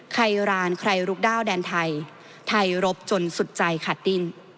ใครรานใครลุกด้าวแดนไทยไทยรบจนสุดใจขาดดิ้น